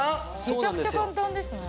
めちゃくちゃ簡単ですね。